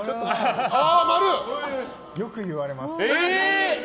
よく言われます。